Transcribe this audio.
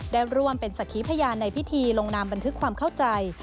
ได้ร่วมเป็นสักขีพยานในพิธีลงนามบันทึกความเข้าใจ